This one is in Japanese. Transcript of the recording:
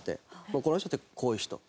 もうこの人ってこういう人。